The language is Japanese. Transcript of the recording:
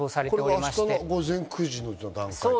これが明日の午前９時の段階。